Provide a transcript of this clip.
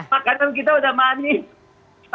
makanan kita sudah manis kok